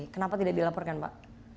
kenapa tidak dilaporkan pak